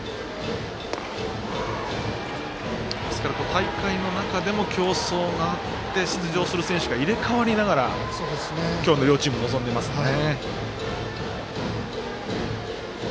大会の中でも競争があって出場する選手が入れ代わりながら今日の両チーム臨んでいますよね。